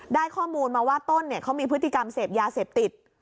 ได้ข้อมูลมาว่าต้นเขามีพฤติกรรมเสพยาเสพติด